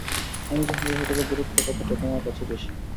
আমি জানি এই হোটেলের গুরুত্ব কতটা তোমার কাছে বেশি।